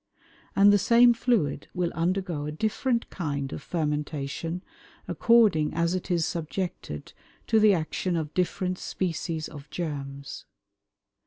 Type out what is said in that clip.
And the same fluid will undergo a different kind of fermentation according as it is subjected to the action of different species of germs.